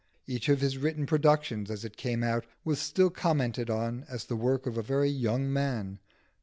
Each of his written productions, as it came out, was still commented on as the work of a very young man.